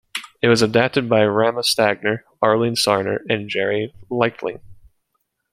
It was adapted by Rama Stagner, Arlene Sarner and Jerry Leichtling.